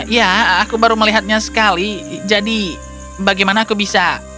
ya aku baru melihatnya sekali jadi bagaimana aku bisa